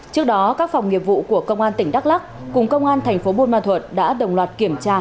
trước đó các phòng nghiệp vụ của công an tỉnh đắk lắc cùng công an tp bôn ma thuật đã đồng loạt kiểm tra